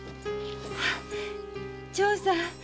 長さん。